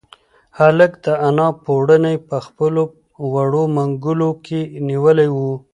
هلک د انا پړونی په خپلو وړو منگولو کې نیولی و.